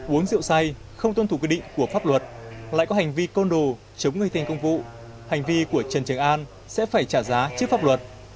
uống rượu say không tuân thủ quy định của pháp luật lại có hành vi côn đồ chống người thành công vụ hành vi của trần trường an sẽ phải trả giá trước pháp luật